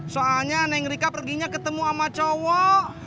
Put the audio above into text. soalnya neng rika perginya ketemu sama cowok